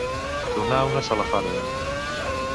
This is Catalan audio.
Donar una salafarda.